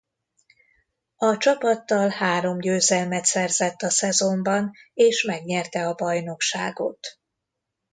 A csapattal három győzelmet szerzett a szezonban és megnyerte a bajnokságot.